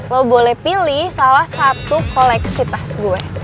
lo boleh pilih salah satu koleksi tas gue